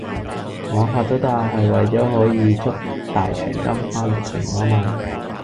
我發咗達係為咗可以捉大長今翻來陪我啊嘛!